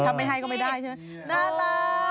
ทำไมให้ก็ไม่ได้ใช่มั้ย